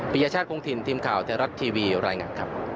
ยชาติคงถิ่นทีมข่าวไทยรัฐทีวีรายงานครับ